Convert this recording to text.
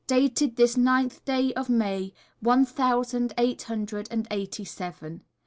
Dated this Ninth day of May, One thousand eight hundred and eighty seven.